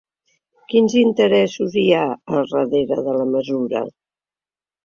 Quins interessos hi ha al darrere de la mesura?